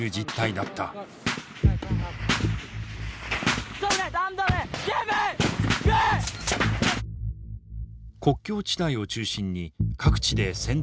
国境地帯を中心に各地で戦闘が激化。